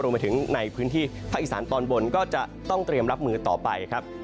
ในพื้นที่ภาคอีสานตอนบนก็จะต้องเตรียมรับมือต่อไปครับ